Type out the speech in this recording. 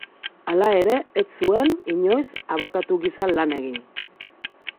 Hala ere, ez zuen inoiz abokatu gisa lan egin.